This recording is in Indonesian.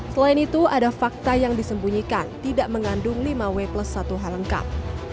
selain itu ada fakta yang disembunyikan tidak mengandung lima w plus satu h lengkap